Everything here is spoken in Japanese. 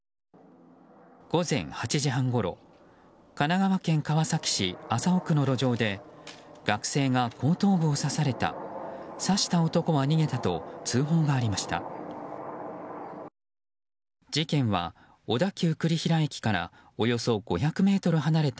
午前８時半ごろ神奈川県川崎市麻生区の路上で学生が後頭部を刺された刺した男は逃げたと通報がありました。